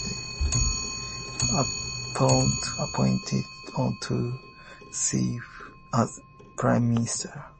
Uluots appointed Otto Tief as Prime Minister.